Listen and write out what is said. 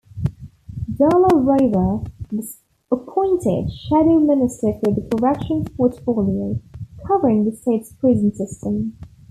Dalla-Riva was appointed Shadow Minister for the corrections portfolio, covering the state's prison system.